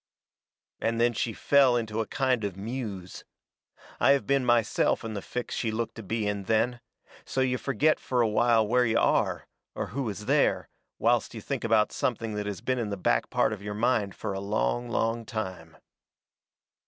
And then she fell into a kind of a muse. I have been myself in the fix she looked to be in then so you forget fur a while where you are, or who is there, whilst you think about something that has been in the back part of your mind fur a long, long time.